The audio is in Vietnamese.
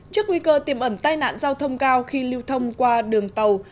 trước nguy cơ tiềm ẩn tai nạn giao thông cao khi lưu thông qua đường tàu